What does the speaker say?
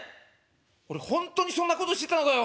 俺ほんとにそんなことしてたのかよ。